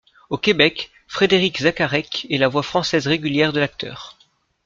Au Québec, Frédérik Zacharek est la voix française régulière de l'acteur.